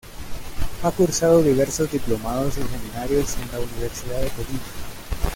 Ha cursado diversos diplomados y seminarios en la Universidad de Colima.